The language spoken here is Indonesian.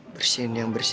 bersihin yang bersih